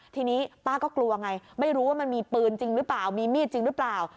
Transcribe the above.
ทีนี้ป้าก็กลัวไงไม่รู้ว่ามันมีปืนจริงหรือเปล่ามีมีดจริงหรือเปล่า